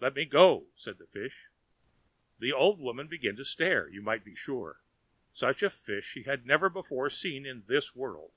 "Let me go!" said the fish. The old woman began to stare, you may be sure. Such a fish she had never before seen in this world.